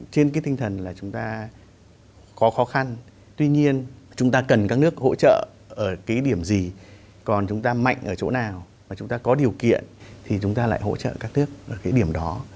trên cái tinh thần là chúng ta có khó khăn tuy nhiên chúng ta cần các nước hỗ trợ ở cái điểm gì còn chúng ta mạnh ở chỗ nào mà chúng ta có điều kiện thì chúng ta lại hỗ trợ các nước ở cái điểm đó